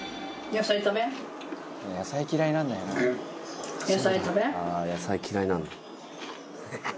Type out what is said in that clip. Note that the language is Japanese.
「野菜嫌いなんだよな」